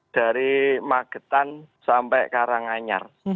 dari magetan sampai karanganyar